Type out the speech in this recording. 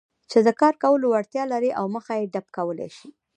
چې د کار کولو وړتیا لري او مخه يې ډب کولای شي.